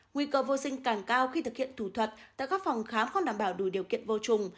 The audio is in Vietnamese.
nguy cơ vô sinh càng cao khi thực hiện thủ thuật tại các phòng khám không đảm bảo đủ điều kiện vô trùng